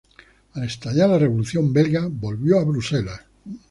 Al estallar la Revolución belga, volvió a Bruselas.